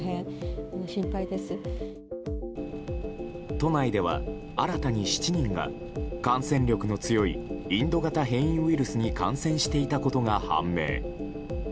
都内では新たに７人が感染力の強いインド型変異ウイルスに感染していたことが判明。